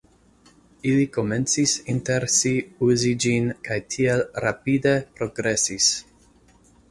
Ili komencis inter si uzi ĝin kaj tiel rapide progresis.